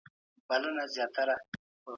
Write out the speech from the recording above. ایا ملي بڼوال چارمغز ساتي؟